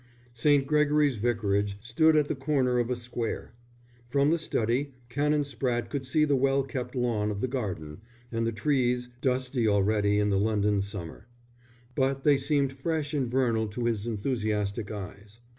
St. Gregory's Vicarage stood at the corner of a square. From the study Canon Spratte could see the well kept lawn of the garden, and the trees, dusty already in the London summer. But they seemed fresh and vernal to his enthusiastic eyes.